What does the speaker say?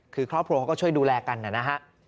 คือครอบครัวเขาก็ช่วยดูแลกันนะฮะ